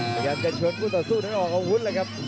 พยายามจะชวนคู่ต่อสู้นั้นออกอาวุธเลยครับ